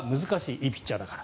いいピッチャーだから。